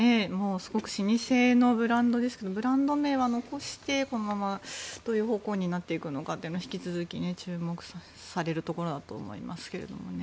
すごく老舗のブランドですけどブランド名は残してこのままという方向になっていくのかは引き続き、注目されるところだと思いますけどね。